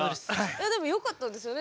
いやでもよかったですよね